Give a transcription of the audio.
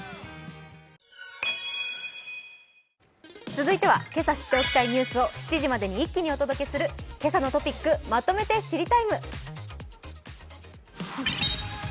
続いてはけさ知っておきたいニュースを７時までに一気にお届けする「けさのトピックまとめて知りＴＩＭＥ，」。